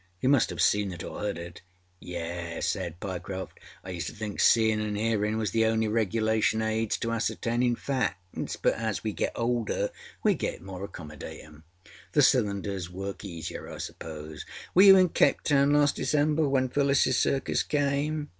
âYou must have seen it or heard it.â âYes,â said Pyecroft. âI used to think seeinâ and hearinâ was the only regulation aids to ascertaininâ facts, but as we get older we get more accommodatinâ. The cylinders work easier, I supposeâ¦. Were you in Cape Town last December when Phyllisâs Circus came?